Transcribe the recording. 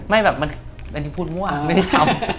ไม่แบบอันนี้พูดมั่วไม่ได้ช้ำ